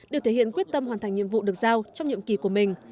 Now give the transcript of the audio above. đều thể hiện quyết tâm hoàn thành nhiệm vụ được giao trong nhiệm kỳ của mình